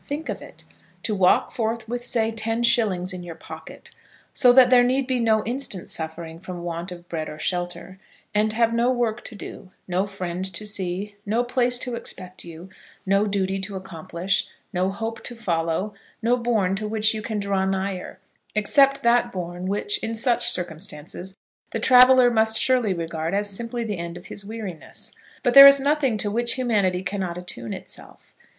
Think of it! To walk forth with, say, ten shillings in your pocket, so that there need be no instant suffering from want of bread or shelter, and have no work to do, no friend to see, no place to expect you, no duty to accomplish, no hope to follow, no bourn to which you can draw nigher, except that bourn which, in such circumstances, the traveller must surely regard as simply the end of his weariness! But there is nothing to which humanity cannot attune itself.